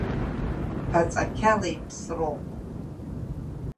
Ԥаҵақьала иԥсроуп.